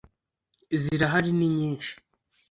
zirahari ni nyinshi